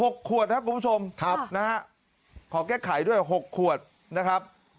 ๖ขวดครับคุณผู้ชมขอแก้ไขด้วย๖ขวดนะครับ